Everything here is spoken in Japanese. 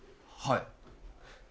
はい！